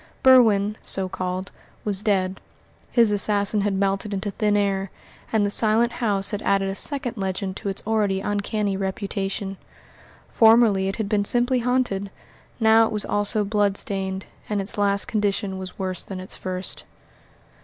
Berwin so called was dead, his assassin had melted into thin air, and the Silent House had added a second legend to its already uncanny reputation. Formerly it had been simply haunted, now it was also blood stained, and its last condition was worse than its first.